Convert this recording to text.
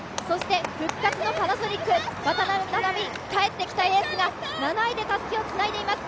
復活のパナソニック、渡邊菜々美、帰ってきたエースが７位でたすきをつないでいます。